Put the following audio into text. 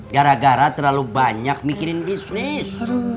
gara gara terlalu banyak mikirin bisnis